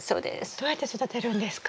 どうやって育てるんですか？